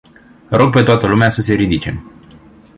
Rog pe toată lumea să se ridice.